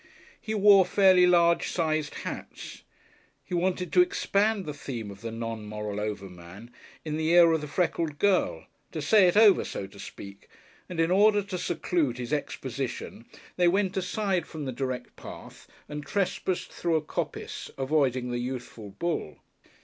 He wore fairly large sized hats. He wanted to expand the theme of the Non Moral Overman in the ear of the freckled girl, to say it over, so to speak, and in order to seclude his exposition they went aside from the direct path and trespassed through a coppice, avoiding the youthful bull.